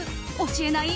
教えない？